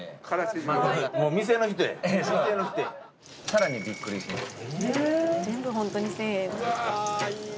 さらにびっくりします。